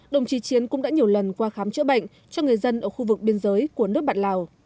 đồng chí chiến cũng đã nhiều lần qua khám chữa bệnh cho người dân ở khu vực biên giới của nước bạn lào